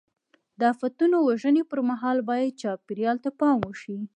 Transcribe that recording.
د آفتونو وژنې پر مهال باید چاپېریال ته پام وشي.